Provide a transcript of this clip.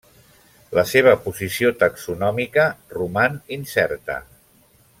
La seva posició taxonòmica roman incerta.